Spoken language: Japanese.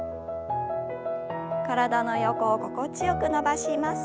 体の横を心地よく伸ばします。